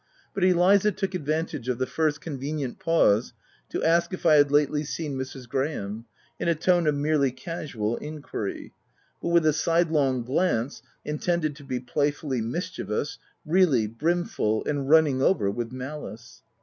But Eliza took ad vantage of the first convenient pause to ask if I had lately seen Mrs. Graham, in a tone of merely casual inquiry, but with a sidelong glance — intended to be playfully mischievous — really, brimful and running over with malice.